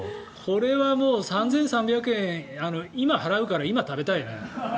これはもう３３００円、今、払うから今、食べたいね。